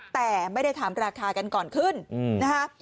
แต่ไม่ได้ถามราคากันก่อนขึ้นนะคะ